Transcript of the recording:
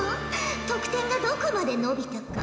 得点がどこまで伸びたか。